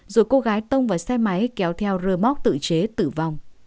rồi cô gái tông vào xe máy kéo theo rơ móc tự chế tử vong